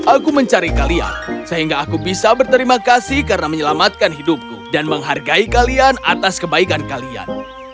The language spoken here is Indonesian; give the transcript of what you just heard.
aku mencari kalian sehingga aku bisa berterima kasih karena menyelamatkan hidupku dan menghargai kalian atas kebaikan kalian